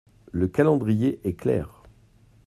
Le calendrier est clair.